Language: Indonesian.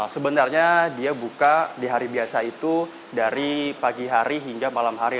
sebenarnya dia buka di hari biasa itu dari pagi hari hingga malam hari